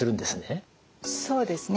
そうですね。